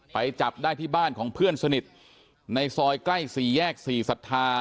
ไปจับได้ที่บ้านของเพื่อนสนิทในซอยใกล้สี่แยก๔ศรัทธา